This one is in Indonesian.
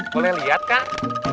boleh lihat kang